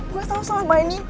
gue tau selama ini